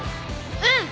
うん！